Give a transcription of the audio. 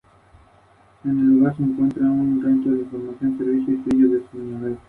Encontraron en los campos próximos a la ciudad piezas romanas.